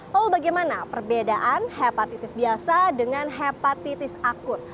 lalu bagaimana perbedaan hepatitis biasa dengan hepatitis akut